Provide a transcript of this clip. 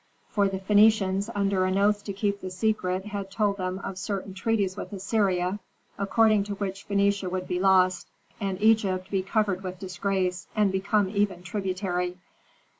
For the Phœnicians under an oath to keep the secret had told them of certain treaties with Assyria, according to which Phœnicia would be lost, and Egypt be covered with disgrace and become even tributary.